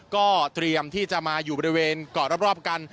ก็เตรียมที่จะมาอยู่บริเวณเกาะรอบกัน